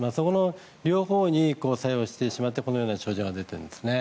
両方に作用してしまってこのような症状が出ているんですね。